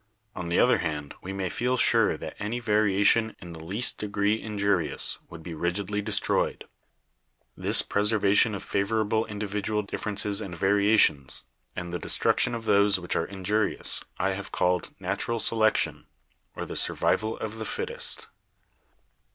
On the other hand, we may feel sure that any variation in the least degree injurious would be rigidly destroyed. This preservation of favorable individual differences and variations, and the destruction of those which are inju rious, I have called Natural Selection, or the Survival of the Fittest.